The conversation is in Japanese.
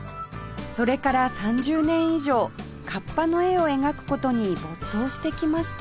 それから３０年以上河童の絵を描く事に没頭してきました